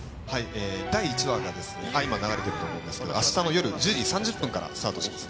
第１話が、今、流れてると思うんですけれども、あしたの夜１０時３０分からスタートします。